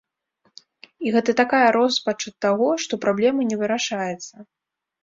І гэта такая роспач ад таго, што праблема не вырашаецца.